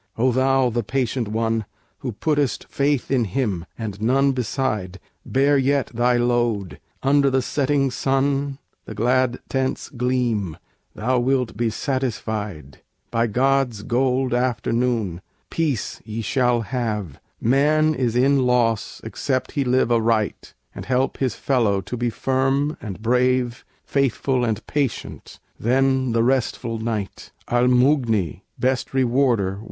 O thou, the patient one, Who puttest faith in Him, and none beside, Bear yet thy load; under the setting sun The glad tents gleam: thou wilt be satisfied. By God's gold Afternoon! peace ye shall have: Man is in loss except he live aright, And help his fellow to be firm and brave, Faithful and patient: then the restful night! _Al Mughni! best Rewarder!